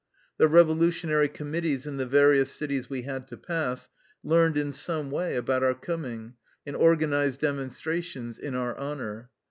The revolu tionary committees in the various cities we had to pass learned in some way about our coming and organized demonstrations in our honor.